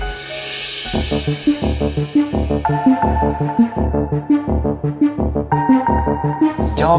untuk dia pertama